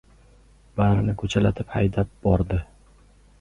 Barini ko‘chalatib haydab bordi.